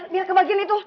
biar ke bagian itu